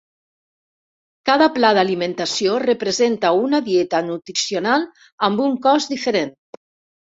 Cada pla d'alimentació representa una dieta nutricional amb un cost diferent.